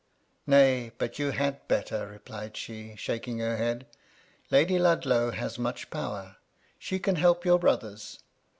"Nay! but you had better," replied she, shaking her head. ^^ Lady Ludlow has much power. She can help your brothers.